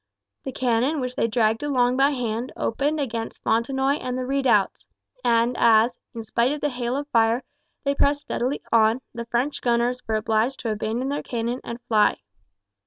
The cannon which they dragged along by hand opened against Fontenoy and the redoubts, and as, in spite of the hail of fire, they pressed steadily on, the French gunners were obliged to abandon their cannon and fly.